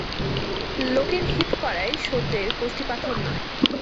লোকের হিত করাই সত্যের কষ্টিপাথর নয়।